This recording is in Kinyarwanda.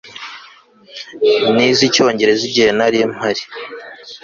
Nize Icyongereza igihe nari mpari